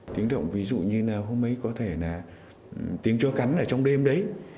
tiếng động ví dụ như là hôm ấy có thể là tiếng chua cắn ở trong đêm đấy